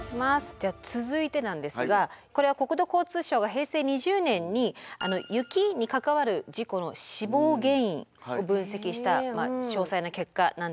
続いてなんですがこれは国土交通省が平成２０年に雪に関わる事故の死亡原因を分析した詳細な結果なんですね。